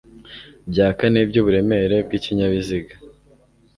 bya kane byuburemere bwikinyabiziga